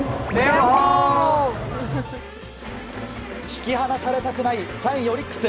引き離されたくない３位、オリックス。